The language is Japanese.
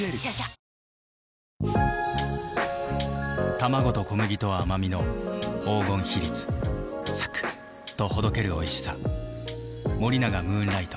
卵と小麦と甘みの黄金比率とほどけるおいしさ森永ムーンライト